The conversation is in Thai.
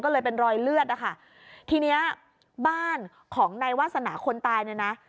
ก็เลยเป็นรอยเลือดนะคะทีเนี้ยบ้านของนายวาสนาคนตายเนี่ยนะ